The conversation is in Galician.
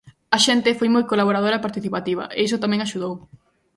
A xente foi moi colaboradora e participativa e iso tamén axudou.